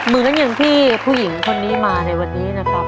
มึงแล้วที่ผู้หญิงคนนี้มาในวันนี้นะครับ